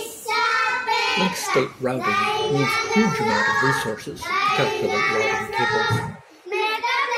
Link state routing needs huge amount of resources to calculate routing tables.